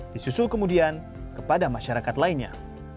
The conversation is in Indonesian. disusul kemudian kepada masyarakat lainnya